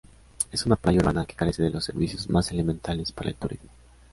Es una playa urbana que carece de los servicios más elementales para el turismo.